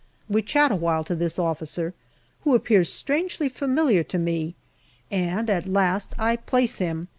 We chat awhile to this officer, who appears strangely familiar to me, and at last I place him.